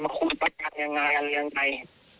มาคุยกับพระอาจารย์อย่างไร